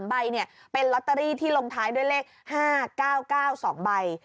ใบเป็นลอตเตอรี่ที่ลงท้ายด้วยเลข๕๙๙๒ใบ